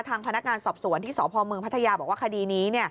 ทางพนักงานสอบสวนที่สพเมืองพัทยาบอกว่าคดีนี้